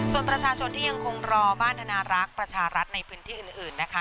ส่วนประชาชนที่ยังคงรอบ้านธนารักษ์ประชารัฐในพื้นที่อื่นนะคะ